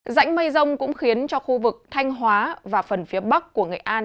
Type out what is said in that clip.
dãnh mây rông cũng khiến cho khu vực thanh hóa và phần phía bắc của nghệ an